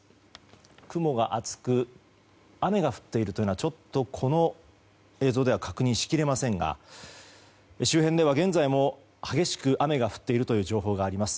雲が厚く雨が降っているというのはこの映像では確認しきれませんが周辺では現在も激しく雨が降っているという情報があります。